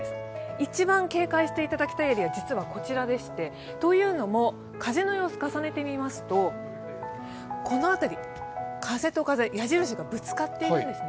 一番警戒していただきたいエリアは、実はこちらでして、というのも風の様子、重ねてみますと、この辺り、風と風、矢印がぶつかっているんですね。